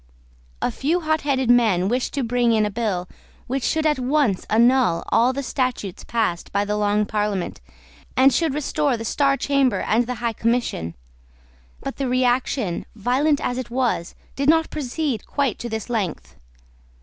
A few hotheaded men wished to bring in a bill, which should at once annul all the statutes passed by the Long Parliament, and should restore the Star Chamber and the High Commission; but the reaction, violent as it was, did not proceed quite to this length.